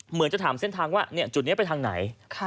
เหมือนจะถามเส้นทางว่าจุดนี้ไปทางไหน